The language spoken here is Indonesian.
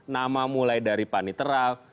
nama mulai dari panitra